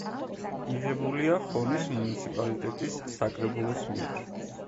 მიღებულია ხონის მუნიციპალიტეტის საკრებულოს მიერ.